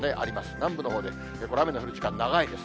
南部のほうで、この雨の降る時間、長いです。